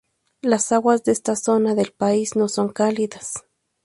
Las aguas de esta zona del país no son cálidas.